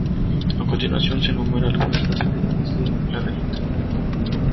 A continuación se enumera algunas de las variedades de la galleta.